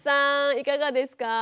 いかがですか？